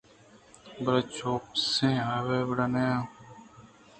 بلے چوپیش ئے وڑا ناں